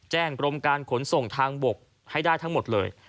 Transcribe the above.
กรมการขนส่งทางบกให้ได้ทั้งหมดเลย